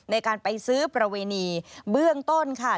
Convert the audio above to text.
ในการไปซื้อประเวณีเบื้องต้นค่ะ